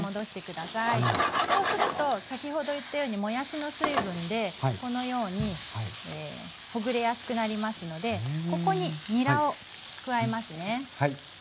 そうすると先ほど言ったようにもやしの水分でこのようにほぐれやすくなりますのでここににらを加えますね。